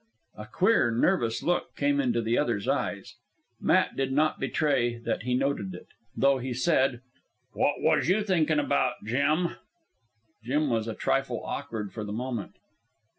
A queer, nervous look came into the other's eyes. Matt did not betray that he noted it, though he said "What was you thinkin' about, Jim?" Jim was a trifle awkward for the moment.